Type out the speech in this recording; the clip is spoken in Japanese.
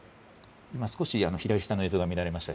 今少し左下の映像が乱れました。